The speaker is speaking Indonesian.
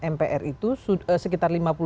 mpr itu sekitar